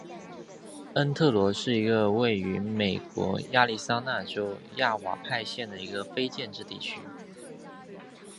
恩特罗是位于美国亚利桑那州亚瓦派县的一个非建制地区。